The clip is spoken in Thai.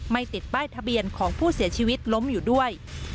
ไม่ติดป้ายทะเบียนของผู้เสียชีวิตล้มอยู่ด้วย